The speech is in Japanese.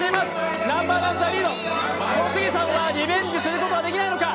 小杉さんはリベンジすることはできないのか？